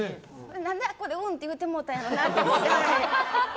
何であそこで、うんって言うてもうたんやろうなって。